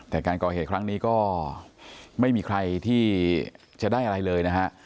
แต่การก่อเหตุครั้งนี้ก็ไม่มีใครที่จะได้อะไรเลยนะฮะ